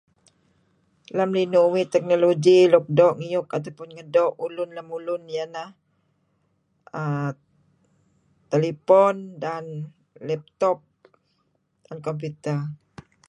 Lem linuh uih technology luk doo' ngiyuk atau pun ngedoo' ulun lemulun iyeh neh err telipon dan lap top computer.